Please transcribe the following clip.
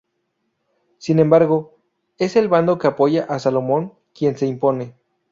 Sin embargo, es el bando que apoya a Salomón quien se impone.